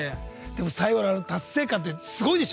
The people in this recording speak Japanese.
最後の達成感ってすごいでしょ？